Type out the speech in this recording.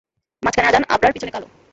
মাঝখানে আজান, আবরার পিছনে কালো?